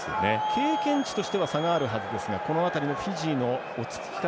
経験値としては差があるはずですがこの辺りのフィジーの落ち着き方